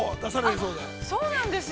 ◆そうなんですよ。